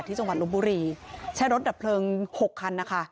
จังหวัดลบบุรีใช้รถดับเพลิง๖คันนะคะ